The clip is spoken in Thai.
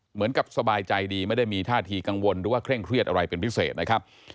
สบายใจดีไม่ได้มีท่าทีกังวลหรือว่าเคร่งเครียดอะไรเป็นพิเศษนะครับ